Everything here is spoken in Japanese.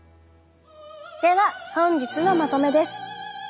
では本日のまとめです。